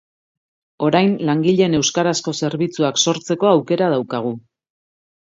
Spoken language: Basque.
Orain langileen euskarazko zerbitzuak sortzeko aukera daukagu.